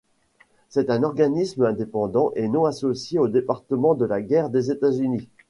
C'est un organisme indépendant et non associé au Département de la Guerre des États-Unis.